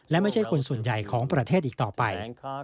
และไม่ใช่คนส่วนใหญ่ของประเทศอีกต่อไป